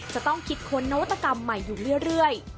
จะต้องคิดค้นนวัตกรรมใหม่อยู่เรื่อย